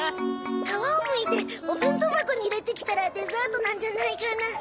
皮をむいてお弁当箱に入れてきたらデザートなんじゃないかな。